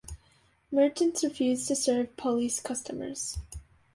Merchants refused to serve police customers.